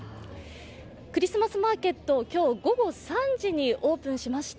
クリスマスマーケット、今日午後３時にオープンしました。